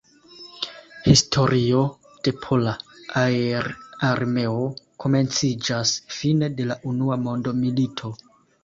Historio de Pola Aer-Armeo komenciĝas fine de la unua mondmilito.